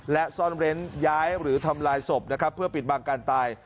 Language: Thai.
และซ่อนเร้นย้ายหรือทำลายศพนะครับเพื่อปิดบังการตาย